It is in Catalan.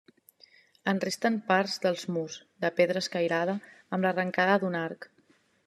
En resten parts dels murs -de pedra escairada-, amb l'arrancada d'un arc.